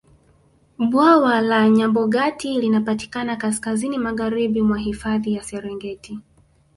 bwawa la nyabogati linapatikana kaskazini magharibi mwa hifadhi ya serengeti